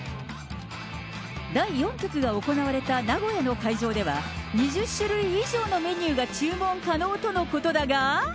第４局が行われた名古屋の会場では、２０種類以上のメニューが注文可能とのことだが。